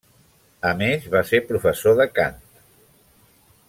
A més, va ser professor de cant.